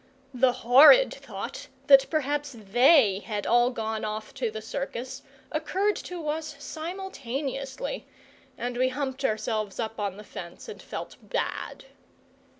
The horrid thought that perhaps they had all gone off to the circus occurred to us simultaneously, and we humped ourselves up on the fence and felt bad.